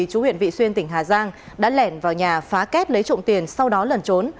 chú huyện vị xuyên tỉnh hà giang đã lẻn vào nhà phá kết lấy trộm tiền sau đó lẩn trốn